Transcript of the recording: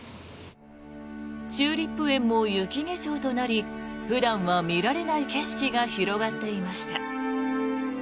チューリップ園も雪化粧となり普段は見られない景色が広がっていました。